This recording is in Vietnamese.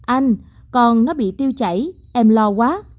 anh con nó bị tiêu chảy em lo quá